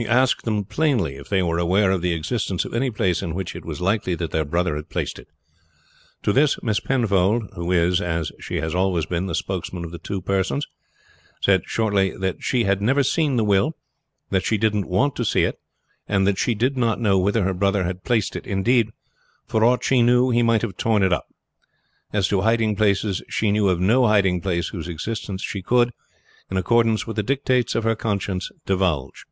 "He asked them plainly if they were aware of the existence of any place in which it was likely that their brother had placed it. To this Miss Penfold, who is, as she has always been, the spokesman of the two sisters, said shortly, that she had never seen the will, that she didn't want to see it, and that she did not know where her brother had placed it; indeed, for aught she knew, he might have torn it up. As to hiding places, she knew of no hiding place whose existence she could, in accordance with the dictates of her conscience divulge.